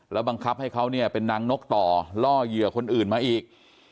บังคับให้เขาเนี่ยเป็นนางนกต่อล่อเหยื่อคนอื่นมาอีก